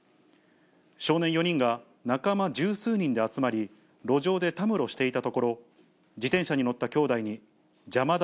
少年４人が仲間十数人で集まり、路上でたむろしていたところ、自転車に乗った兄弟に、邪魔だ、